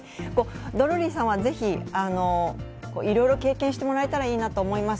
ドルーリーさんはぜひ、いろいろ経験してもらえたらなと思います。